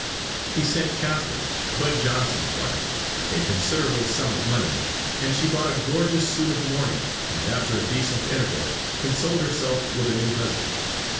He sent Catherine, Bud Johnson's wife, a considerable sum of money, and she bought a gorgeous suit of mourning, and after a decent interval consoled herself with a new husband.